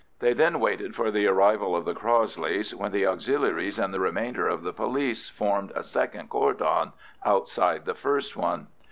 They then waited for the arrival of the Crossleys, when the Auxiliaries and the remainder of the police formed a second cordon outside the first one.